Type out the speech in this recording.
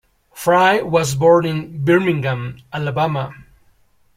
Frye was born in Birmingham, Alabama.